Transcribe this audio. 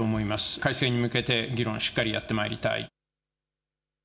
改正に向けて議論をしっかりやってまいりたい。